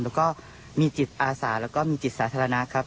แล้วก็มีจิตอาสาแล้วก็มีจิตสาธารณะครับ